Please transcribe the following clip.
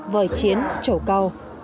vời chiến chổ câu